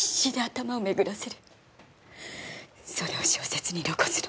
それを小説に残すの。